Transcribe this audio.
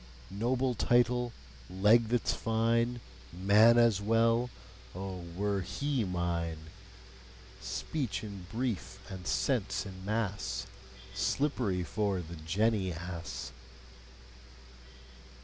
Noble title, leg that's fine, Man as well: Oh, were HE mine! Speech in brief and sense in mass Slippery for the jenny ass!